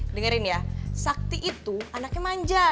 dengerin ya sakti itu anaknya manja